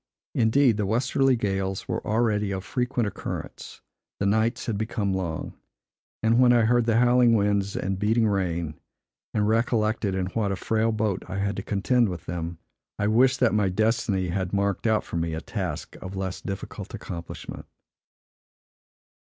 Indeed, the westerly gales were already of frequent occurrence; the nights had become long, and when I heard the howling winds and beating rain, and recollected in what a frail boat I had to contend with them, I wished that my destiny had marked out for me a task of less difficult accomplishment.